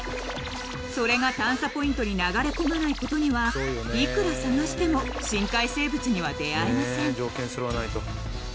［それが探査ポイントに流れ込まないことにはいくら探しても深海生物には出会えません］